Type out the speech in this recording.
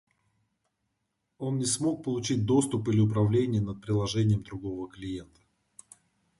Он не смог получить доступ или управление над приложением другого клиента